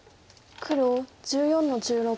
黒１４の十六。